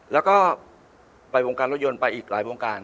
แล้วก็ไปวงการรถยนต์ไปอีกหลายวงการ